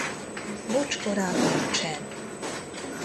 Bocskora nincsen.